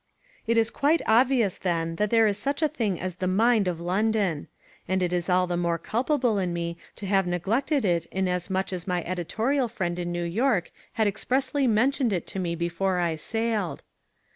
It is quite obvious then that there is such a thing as the mind of London: and it is all the more culpable in me to have neglected it in as much as my editorial friend in New York had expressly mentioned it to me before I sailed.